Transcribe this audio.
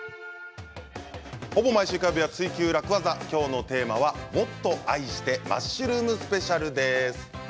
ほぼ毎週火曜日は「ツイＱ楽ワザ」今日のテーマはもっと愛してマッシュルームスペシャルです。